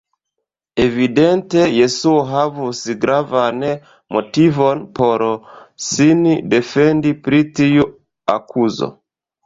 Evidente Jesuo havus gravan motivon por sin defendi pri tiu akuzo.